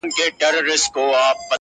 پر کومي لوري حرکت وو حوا څه ډول وه ـ